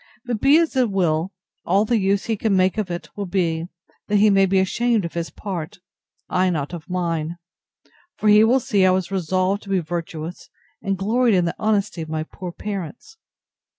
But be it as it will, all the use he can make of it will be, that he may be ashamed of his part; I not of mine: for he will see I was resolved to be virtuous, and gloried in the honesty of my poor parents.